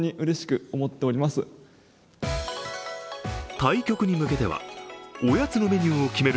対局に向けては、おやつのメニューを決める